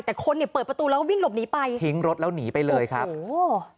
แต่คนเนี่ยเปิดประตูแล้วก็วิ่งหลบหนีไปทิ้งรถแล้วหนีไปเลยครับโอ้โห